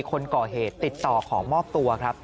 คนก่อเหตุติดต่อขอมอบตัวครับ